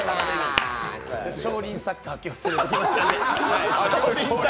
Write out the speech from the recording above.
少林サッカー、今日連れてきましたので。